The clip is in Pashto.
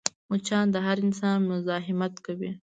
مچان د هر انسان مزاحمت کوي